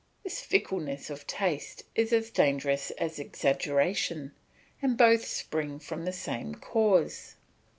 This fickleness of taste is as dangerous as exaggeration; and both spring from the same cause.